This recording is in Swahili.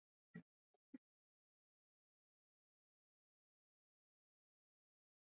cha mtemi kilikabidhiwa kwa Kapteni von Prince pale Iringa Mpya na kuonyeshwa mtaani kwa